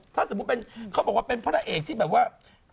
ถ้าสมมุติเป็นเขาบอกว่าเป็นพระเอกที่แบบว่า